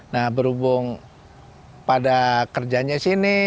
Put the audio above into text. nah berhubung pada kerjanya sini